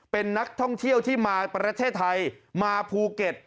เป็นนักท่องเที่ยวที่มาประเทศไทยมาภูเก็ต